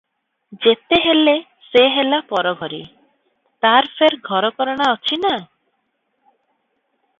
ଯେତେ ହେଲେ ସେ ହେଲା ପରଘରୀ, ତାର ଫେର ଘରକରଣା ଅଛି ନା?